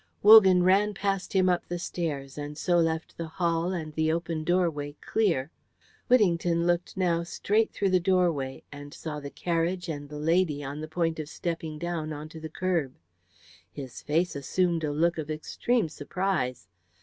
Wogan ran past him up the stairs, and so left the hall and the open doorway clear. Whittington looked now straight through the doorway, and saw the carriage and the lady on the point of stepping down onto the kerb. His face assumed a look of extreme surprise.